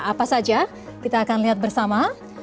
apa saja kita akan lihat bersama